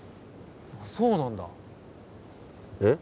あっそうなんだ？えっ？